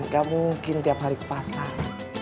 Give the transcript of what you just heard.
gak mungkin tiap hari ke pasar